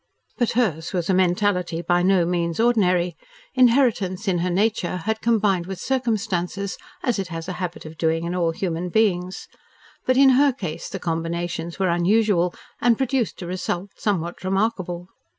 But hers was a mentality by no means ordinary. Inheritance in her nature had combined with circumstances, as it has a habit of doing in all human beings. But in her case the combinations were unusual and produced a result somewhat remarkable.